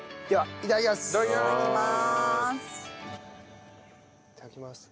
いただきます。